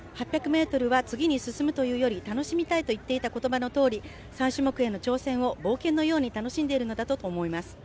８００ｍは次に進むというより楽しみたいと言っていた言葉のとおり、３種目への挑戦を冒険のように楽しんでいるのだと思います。